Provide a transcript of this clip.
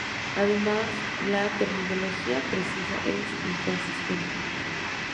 Además, la terminología precisa es inconsistente.